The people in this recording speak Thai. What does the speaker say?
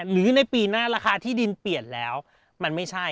หรือในปีหน้าราคาที่ดินเปลี่ยนแล้วมันไม่ใช่